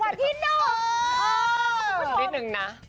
ละก็ลิดนึงนะ